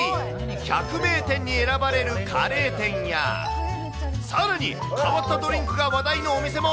百名店に選ばれるカレー店や、さらに変わったドリンクが話題のお店も。